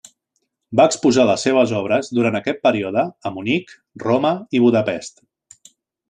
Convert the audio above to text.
Va exposar les seves obres durant aquest període a Munic, Roma i Budapest.